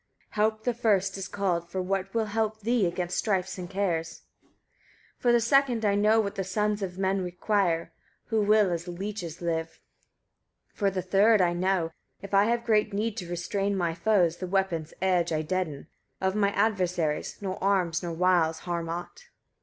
Help the first is called, for that will help thee against strifes and cares. 149. For the second I know, what the sons of men require, who will as leeches live. 150. For the third I know, if I have great need to restrain my foes, the weapons' edge I deaden: of my adversaries nor arms nor wiles harm aught.